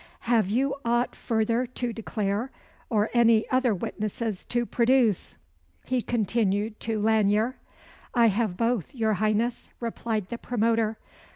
"Have you aught further to declare, or any other witnesses to produce?" he continued to Lanyere. "I have both, your Highness," replied the promoter.